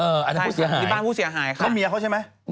เอออันนั้นผู้เสียหายมีบ้านผู้เสียหายค่ะเขาเมียเขาใช่ไหม